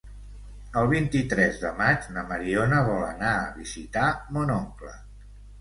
El vint-i-tres de maig na Mariona vol anar a visitar mon oncle.